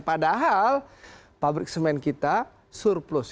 padahal pabrik semen kita surplus